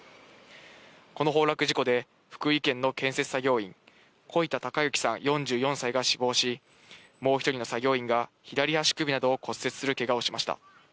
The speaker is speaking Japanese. この崩落事故で福井県の建設作業員・小板孝幸さん４４歳が死亡し、もう１人の作業員が左足首などを骨折するけがをしました。